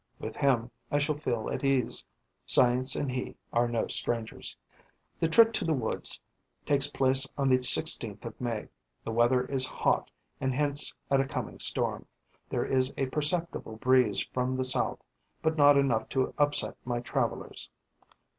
With him, I shall feel at ease; science and he are no strangers. The trip to the woods takes place on the 16th of May. The weather is hot and hints at a coming storm. There is a perceptible breeze from the south, but not enough to upset my travellers.